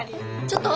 ちょっと！